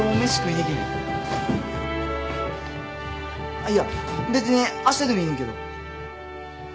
あっいや別にあしたでもいいねんけど。